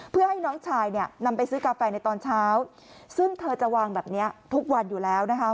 เพื่อให้น้องชายเนี่ยนำไปซื้อกาแฟในตอนเช้าซึ่งเธอจะวางแบบนี้ทุกวันอยู่แล้วนะคะ